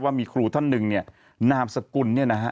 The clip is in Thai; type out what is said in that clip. ว่ามีครูท่านหนึ่งเนี่ยนามสกุลเนี่ยนะฮะ